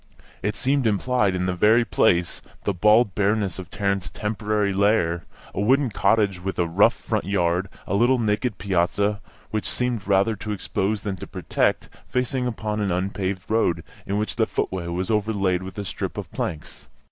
It seemed implied in the very place, the bald bareness of Tarrant's temporary lair, a wooden cottage, with a rough front yard, a little naked piazza, which seemed rather to expose than to protect, facing upon an unpaved road, in which the footway was overlaid with a strip of planks.